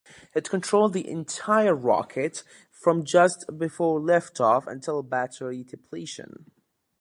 It controlled the entire rocket from just before liftoff until battery depletion.